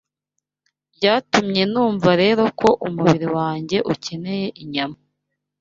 Byatumye numva rero ko umubiri wanjye ukeneye inyama.